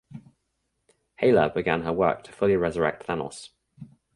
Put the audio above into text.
Hela began her work to fully resurrect Thanos.